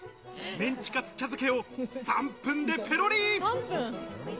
メンチカツ茶漬けを３分でペロリ！